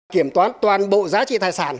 kiểm toán toàn bộ giá trị thải sản